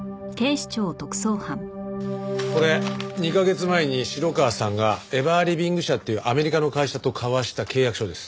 これ２カ月前に城川さんがエバーリビング社っていうアメリカの会社と交わした契約書です。